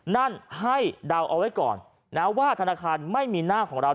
นั่นให้เดาเอาไว้ก่อนนะว่าธนาคารไม่มีหน้าของเรา